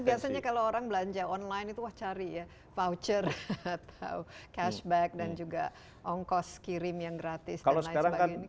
karena biasanya kalau orang belanja online itu wah cari ya voucher atau cashback dan juga ongkos kirim yang gratis dan lain sebagainya